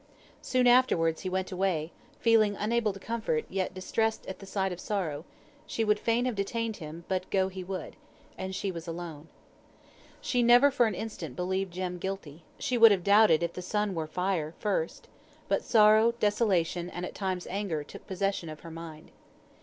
Soon afterwards he went away, feeling unable to comfort, yet distressed at the sight of sorrow; she would fain have detained him, but go he would. And she was alone. She never for an instant believed Jem guilty; she would have doubted if the sun were fire, first: but sorrow, desolation, and, at times, anger took possession of her mind.